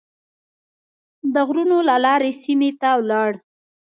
د غرونو له لارې سیمې ته ولاړ.